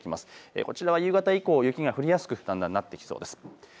こちらは夕方以降、雪が降りやすくなってきそうです。